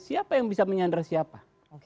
siapa yang bisa menyandar siapa